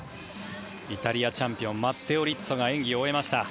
イタリアチャンピオンマッテオ・リッツォが演技を終えました。